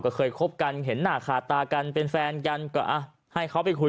ก็เคยคบกันเห็นหน้าขาตากันเป็นแฟนกันก็อ่ะให้เขาไปคุย